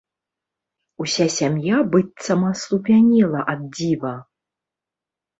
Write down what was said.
Уся сям'я быццам аслупянела ад дзіва.